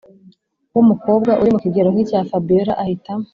wumukobwa urimukigero nkicya fabiora ahita